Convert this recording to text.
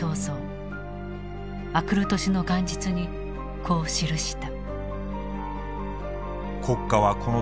あくる年の元日にこう記した。